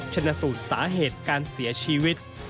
ชนะสูตรสาเหตุการเสียชีวิต